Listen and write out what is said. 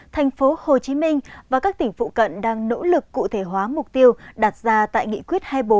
thành phố hồ chí minh và các tỉnh phụ cận đang nỗ lực cụ thể hóa mục tiêu đạt ra tại nghị quyết hai mươi bốn